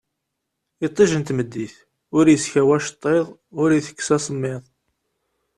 Itij n tmeddit ur iskaw acettiḍ ur itekkes asemmiḍ